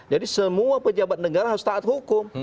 jadi semua pejabat negara harus taat hukum